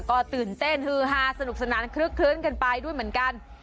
ก็ตื่นเต้นฮือฮาสนุกสนานคลึกคลื้นกันไปด้วยเหมือนกัน